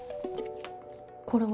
これは？